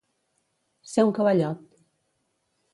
Ser un cavallot.